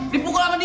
dipukul sama dia